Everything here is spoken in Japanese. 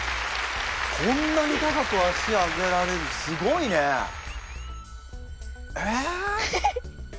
こんなに高く脚上げられんのすごいね！え！？